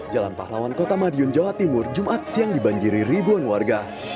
jalan pahlawan kota madiun jawa timur jumat siang dibanjiri ribuan warga